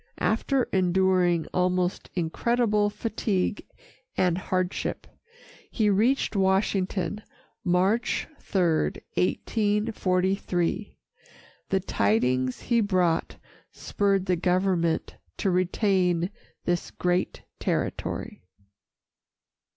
After enduring almost incredible fatigue and hardship, he reached Washington March 3, 1843. The tidings he brought spurred the government to retain this great territory.